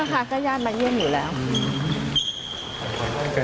เขาจะรู้รายละเอียดหรือคะ